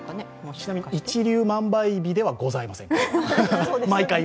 ちなみに、一粒万倍日ではございません。